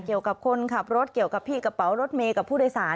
เกี่ยวกับคนขับรถเกี่ยวกับพี่กระเป๋ารถเมย์กับผู้โดยสาร